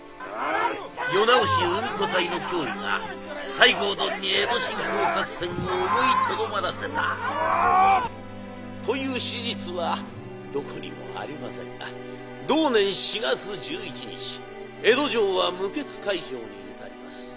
「世直しうんこ隊の脅威が西郷どんに江戸侵攻作戦を思いとどまらせた」という史実はどこにもありませんが同年４月１１日江戸城は無血開城に至ります。